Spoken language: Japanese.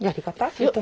それとも。